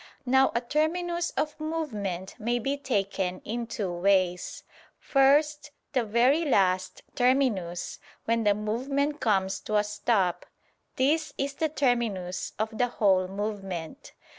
Now a terminus of movement may be taken in two ways. First, the very last terminus, when the movement comes to a stop; this is the terminus of the whole movement.